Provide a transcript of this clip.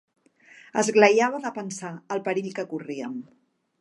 Esglaiava de pensar el perill que corríem.